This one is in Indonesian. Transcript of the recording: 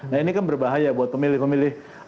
nah ini kan berbahaya buat pemilih pemilih